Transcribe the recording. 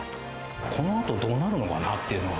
このあとどうなるのかなというのは。